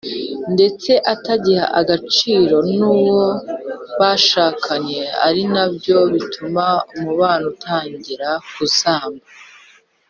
ndetse atagihabwa agaciro nuwo bashakanye ari nabyo bituma umubano utangira kuzamba.